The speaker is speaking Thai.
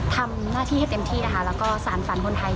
ทำหน้าที่ให้เต็มที่นะคะแล้วก็สารฝันคนไทย